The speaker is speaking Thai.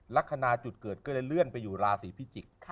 ลักษณะจุดเกิดก็เลยเลื่อนไปอยู่ราศีพิจิกษ์